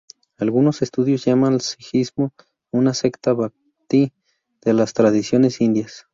Algunos estudiosos llaman al sijismo una secta bhakti de las tradiciones indias.